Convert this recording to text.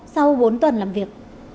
sau bốn tuần làm việc